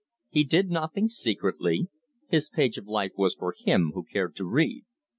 He did nothing secretly; his page of life was for him who cared to read.